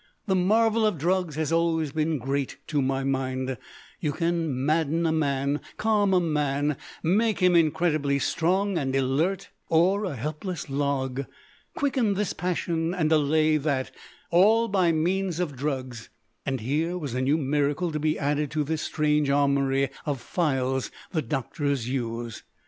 The marvel of drugs has always been great to my mind; you can madden a man, calm a man, make him incredibly strong and alert or a helpless log, quicken this passion and allay that, all by means of drugs, and here was a new miracle to be added to this strange armoury of phials the doctors use!